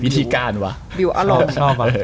วิธีการว่ะชอบมาเลย